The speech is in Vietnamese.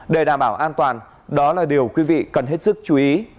để đảm bảo an toàn đó là điều quý vị cần hết sức chú ý